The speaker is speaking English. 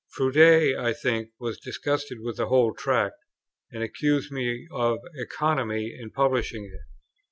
Froude, I think, was disgusted with the whole Tract, and accused me of economy in publishing it.